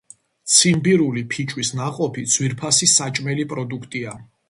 ციმბირული ფიჭვის ნაყოფი ძვირფასი საჭმელი პროდუქტია.